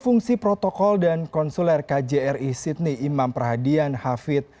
fungsi protokol dan konsuler kjri sydney imam perahadian hafid